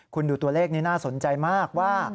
คุณดูตัวเลขนี้น่าสนใจมากว่า